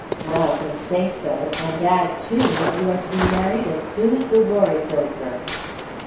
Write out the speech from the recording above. "Well! they say so, and add, too, that you are to be married as soon as the war is over."